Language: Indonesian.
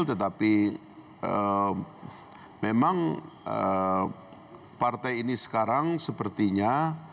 tetapi memang partai ini sekarang sepertinya